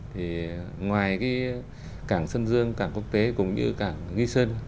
thì ngoài cái cảng sân dương cảng quốc tế cũng như cảng nghị sơn